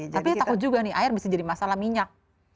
tapi takut juga nih air bisa jadi masalah minyak